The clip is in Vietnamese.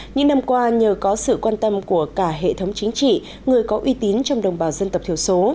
những năm qua nhờ có sự quan tâm của cả hệ thống chính trị người có uy tín trong đồng bào dân tộc thiểu số